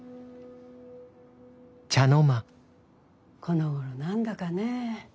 このごろ何だかねえ